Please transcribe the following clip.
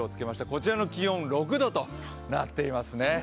こちらの気温、６度となっていますね。